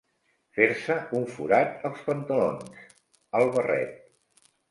Fer-se un forat als pantalons, al barret.